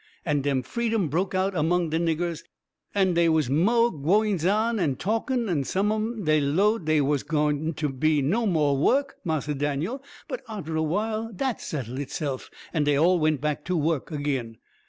"An' den freedom broke out among de niggers, and dey was mo' gwines ON, an' talkin', an' some on 'em 'lowed dey was gwine ter be no mo' wohk, Marse Daniel. But arter a while dat settle HITse'f, and dey all went back to wohk agin.